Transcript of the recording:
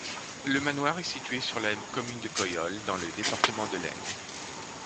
Le manoir est situé sur la commune de Coyolles, dans le département de l'Aisne.